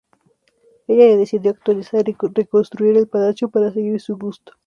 Ella decidió actualizar y reconstruir el palacio para seguir su gusto.